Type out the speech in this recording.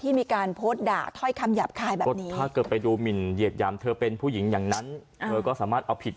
มีการโพสต์ด่าถ้อยคำหยาบคายแบบนี้ถ้าเกิดไปดูหมินเหยียดหยามเธอเป็นผู้หญิงอย่างนั้นเธอก็สามารถเอาผิด